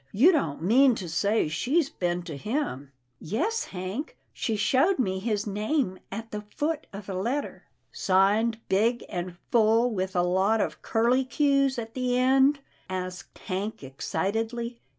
You don't mean to say she's been to him ?"" Yes Hank, she showed me his name at the foot of a letter." " Signed big and full with a lot of curlicues at the end?" asked Hank excitedly.